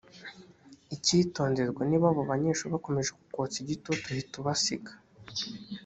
icyitonderwa niba abo banyeshuri bakomeje kukotsa igitutu hita ubasiga